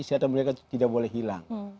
isi adat mereka tidak boleh hilang